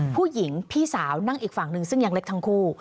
ผู้หญิงพี่สาวนั่งอีกฝั่งหนึ่งซึ่งยังเล็กทั้งคู่